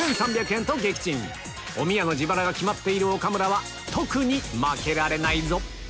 おみやの自腹が決まっている岡村は特に負けられないぞ